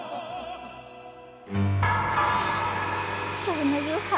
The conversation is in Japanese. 今日の夕飯